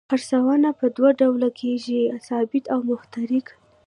څرخونه په دوه ډوله تړل کیږي ثابت او متحرک.